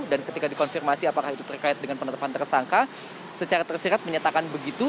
dan ketika dikonfirmasi apakah itu terkait dengan penetapan tersangka secara tersirat menyatakan begitu